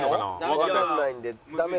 わかんないんで。